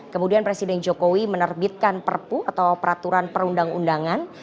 kemudian presiden jokowi menerbitkan perpu atau peraturan perundang undangan